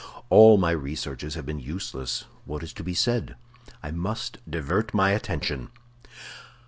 All my researches have been useless. What is to be said? I must divert my attention!"